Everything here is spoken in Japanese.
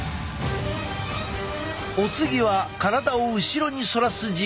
お次は体を後ろに反らす実験。